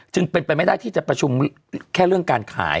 จึงเป็นไปไม่ได้ที่จะประชุมแค่เรื่องการขาย